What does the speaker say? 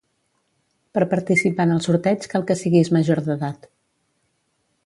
Per participar en el sorteig cal que siguis major d'edat.